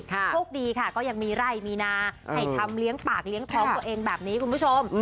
โชคดีค่ะก็ยังมีไร่มีนาให้ทำเลี้ยงปากเลี้ยงท้องตัวเองแบบนี้คุณผู้ชม